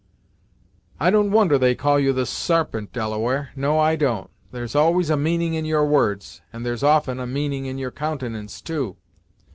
"I don't wonder they call you the Sarpent, Delaware; no, I don't! There's always a meaning in your words, and there's often a meaning in your countenance, too!